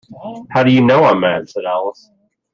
‘How do you know I’m mad?’ said Alice.